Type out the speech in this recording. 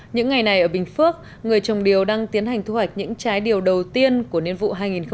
những ngày này ở bình phước người trồng điều đang tiến hành thu hoạch những trái điều đầu tiên của nguyên vụ hai nghìn một mươi tám